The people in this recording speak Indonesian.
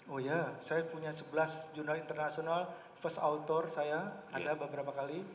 oh ya saya punya sebelas jurnal internasional first outdoor saya ada beberapa kali